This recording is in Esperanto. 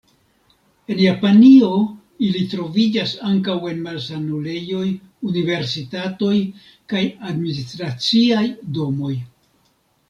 En Japanio, ili troviĝas ankaŭ en malsanulejoj, universitatoj kaj administraciaj domoj.